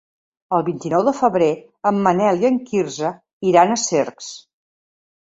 El vint-i-nou de febrer en Manel i en Quirze iran a Cercs.